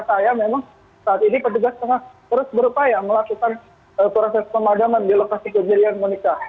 saya memang saat ini petugas tengah terus berupaya melakukan proses pemadaman di lokasi kejadian monika